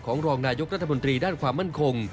รองนายกรัฐมนตรีด้านความมั่นคง